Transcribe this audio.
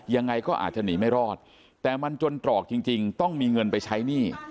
ยังไงก็อาจจะหนีไม่รอดแต่มันจนตรอกจริงต้องมีเงินไปใช้หนี้